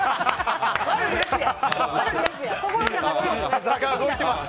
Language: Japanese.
悪いやつや。